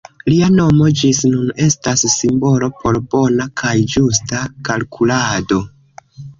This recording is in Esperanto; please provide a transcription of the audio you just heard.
Lia nomo ĝis nun estas simbolo por bona kaj ĝusta kalkulado.